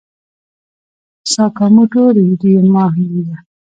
ساکاموتو ریوما نومېده.